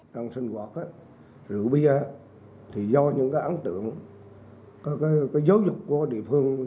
trong sinh hoạt rượu bia do những án tượng giới dục của địa phương